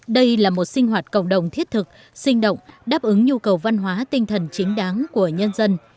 đây là một sinh hoạt cộng đồng thiết thực sinh động đáp ứng nhu cầu văn hóa tinh thần chính đáng của nhân dân